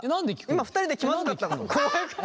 今２人で気まずかったから。